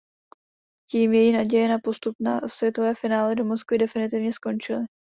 Tím její naděje na postup na světové finále do Moskvy definitivně skončily.